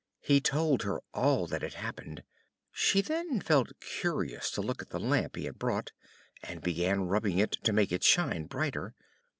He told her all that had happened; she then felt curious to look at the Lamp he had brought, and began rubbing it, to make it shine brighter.